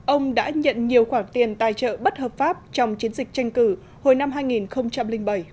ông đã nhận nhiều khoản tiền tài trợ bất hợp pháp trong chiến dịch tranh cử hồi năm hai nghìn bảy